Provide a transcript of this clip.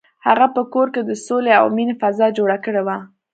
هغه په کور کې د سولې او مینې فضا جوړه کړې وه.